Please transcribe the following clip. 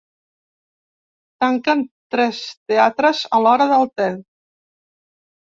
Tanquen tres teatres a l'hora del te.